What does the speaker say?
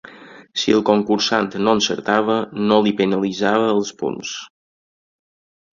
Si el concursant no encertava, no li penalitzava els punts.